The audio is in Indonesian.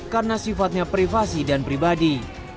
karena sifatnya privasi dan pribadi